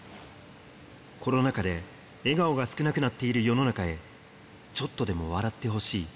コロナ禍で笑顔が少なくなっている世の中へ、ちょっとでも笑ってほしい。